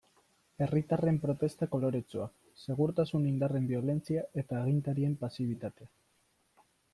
Herritarren protesta koloretsuak, segurtasun indarren biolentzia eta agintarien pasibitatea.